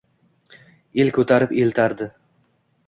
El ko’tarib eltardi.